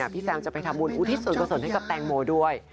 พี่แซมจะไปทำมูลอุทิศส่วนกระสนให้กับแตงโมด้วย